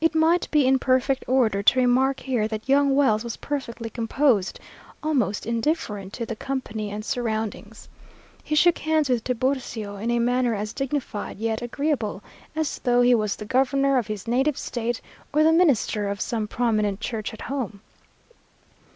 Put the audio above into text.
It might be in perfect order to remark here that young Wells was perfectly composed, almost indifferent to the company and surroundings. He shook hands with Tiburcio in a manner as dignified, yet agreeable, as though he was the governor of his native State or the minister of some prominent church at home.